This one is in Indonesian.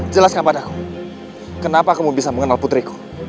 jelaskan padaku kenapa kamu bisa mengenal putriku